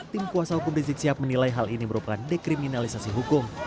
tim kuasa hukum rizik sihab menilai hal ini merupakan dekriminalisasi hukum